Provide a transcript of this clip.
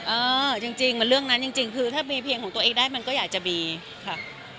เออจริงมันเรื่องนั้นจริงคือถ้ามีเพลงของตัวเองได้มันก็อยากจะมีค่ะ